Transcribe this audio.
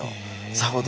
さほど。